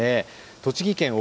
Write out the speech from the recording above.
栃木県奥